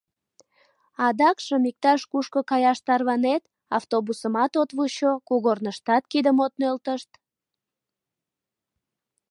Адакшым иктаж-кушко каяш тарванет — автобусымат от вучо, кугорныштат кидым от нӧлтышт.